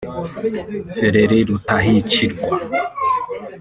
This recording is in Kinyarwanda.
Feller Lutahichirwa